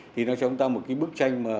thì nó cho chúng ta một cái bức tranh